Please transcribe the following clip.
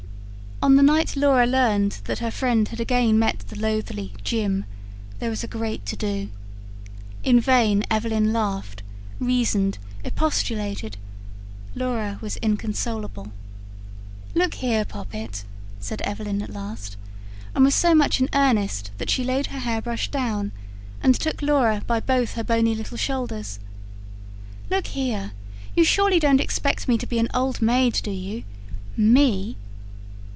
On the night Laura learned that her friend had again met the loathly "Jim", there was a great to do. In vain Evelyn laughed, reasoned, expostulated. Laura was inconsolable. "Look here, Poppet," said Evelyn at last, and was so much in earnest that she laid her hairbrush down, and took Laura by both her bony little shoulders. "Look here, you surely don't expect me to be an old maid, do you? ME?"